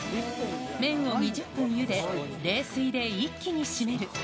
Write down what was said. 麺を２０分ゆで、冷水で一気にしめる。